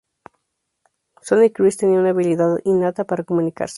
Sonny Criss tenía una habilidad innata para comunicarse.